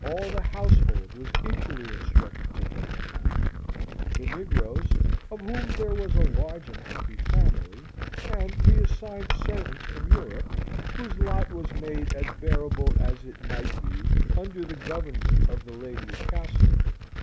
All the household was equally instructed to pay him honour; the negroes, of whom there was a large and happy family, and the assigned servants from Europe, whose lot was made as bearable as it might be under the government of the lady of Castlewood.